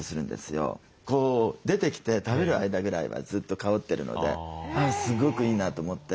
出てきて食べる間ぐらいはずっと香ってるのですごくいいなと思って。